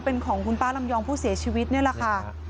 เป็นของของคุณป้ารัมยองผู้เสียชีวิตเนี่ยนะคะ